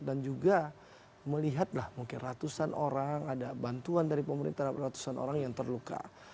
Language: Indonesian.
dan juga melihatlah mungkin ratusan orang ada bantuan dari pemerintah ratusan orang yang terluka